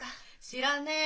知らねえ。